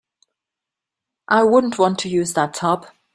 I wouldn't want to use that tub.